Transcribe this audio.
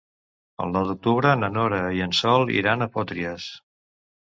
El nou d'octubre na Nora i en Sol iran a Potries.